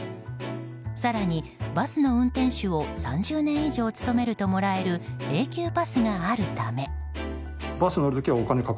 更にバスの運転手を３０年以上勤めるともらえる永久パスがあるため。